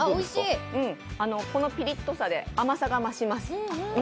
このピリッとさで甘さが増します。